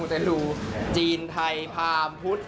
ใช้รูจีนไทยพราหมณ์พุธ